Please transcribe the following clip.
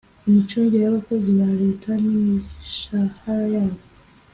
lmicungire y'abakozi ba leta n'imishahara yabo